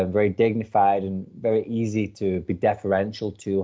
dan sangat mudah menjadi referensi untuk dia